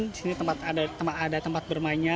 di sini tempat ada tempat bermainnya